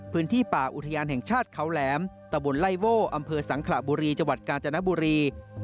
พื้นที่ป่าอุทยานแห่งชาติเขาแหลมตะบนไล่โว่อำเภอสังขระบุรีจังหวัดกาญจนบุรี